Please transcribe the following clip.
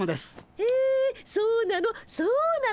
へえそうなの？